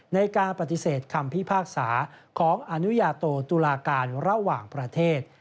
ในการปฏิเสธคำพิพากษาของอนุญาโตตุลาการระหว่างประเทศ